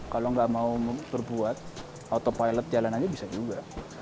kalau gak mau berbuat autopilot jalanannya bisa juga